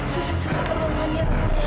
susu susu teman teman ya